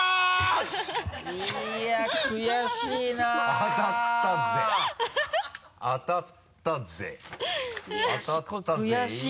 当たったぜい。